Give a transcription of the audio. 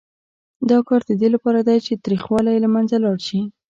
دا کار د دې لپاره دی چې تریخوالی یې له منځه لاړ شي.